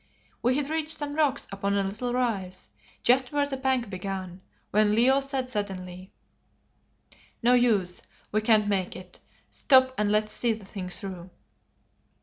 We had reached some rocks upon a little rise, just where the bank began, when Leo said suddenly "No use, we can't make it. Stop and let's see the thing through."